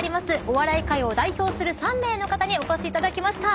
お笑い界を代表する３名の方にお越しいただきました。